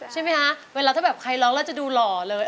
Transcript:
ใช่ไหมคะเวลาถ้าแบบใครร้องแล้วจะดูหล่อเลย